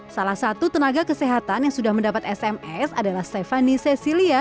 salah satu tenaga kesehatan yang sudah mendapat sms adalah stephani cecilia